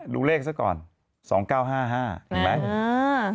ดูเลขซะก่อน๒๙๕๕เห็นไหม